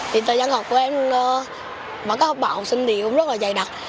thì thời gian học của em và các học bảo học sinh thì cũng rất là dày đặc